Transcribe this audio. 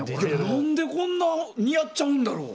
何でこんなに似合っちゃうんだろう。